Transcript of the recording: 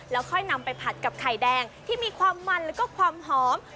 แล้วค่อยนำไปผัดกับไข่แดงที่มีความมันแล้วก็ความหอม